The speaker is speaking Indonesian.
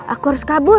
aku harus kabur